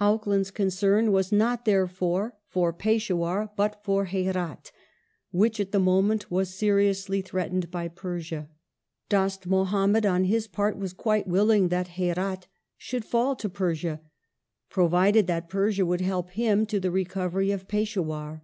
Auckland's concern was not, therefore, for Peshdwar, but for Herat, which at the moment was seriously threatened by Persia. Dost Muhammad on his part was quite willing that Herat should fall to Pei^sia, provided that Persia would help him to the I'ecovery of Peshdwar.